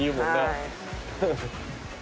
はい。